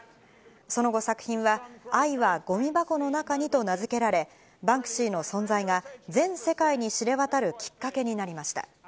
その後、作品は、愛はごみ箱の中にと名付けられ、バンクシーの存在が全世界に知れ渡るきっかけになりました。